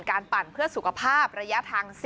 ปั่นเพื่อสุขภาพระยะทาง๑๐